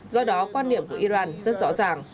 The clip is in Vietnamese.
do đó quan niệm của iran rất rõ ràng